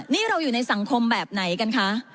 นี่เราอยู่ในสังคมแบบไหนกันคะ